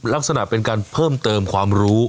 ลักษณะเป็นการเพิ่มเติมความรู้